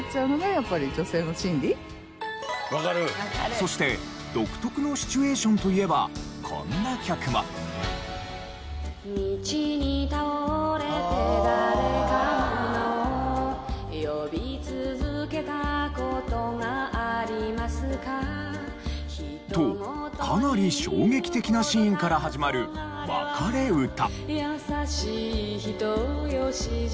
そして独特のシチュエーションといえばこんな曲も。とかなり衝撃的なシーンから始まる『わかれうた』。